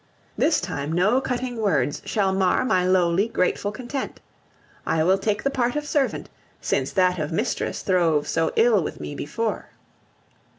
This time no cutting words shall mar my lowly, grateful content. I will take the part of servant, since that of mistress throve so ill with me before.